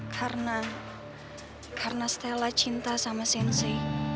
karena karena stela cinta sama sensei